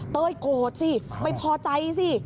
เต้ยโกรธสิไม่พอใจสิ